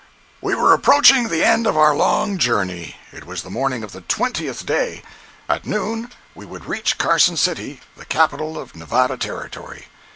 We were approaching the end of our long journey. It was the morning of the twentieth day. At noon we would reach Carson City, the capital of Nevada Territory.